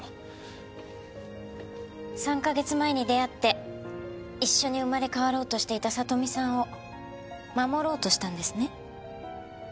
３カ月前に出会って一緒に生まれ変わろうとしていた里美さんを守ろうとしたんですね？